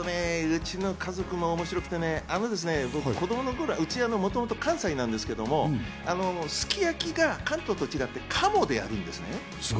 うちの家族も面白くてね、僕、子供の頃、もともと家は関西なんですけど、すき焼きが関東と違って鴨でやるんです。